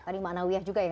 tadi maknawiah juga ya